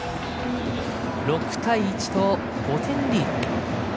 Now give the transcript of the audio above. ６対１と５点リード。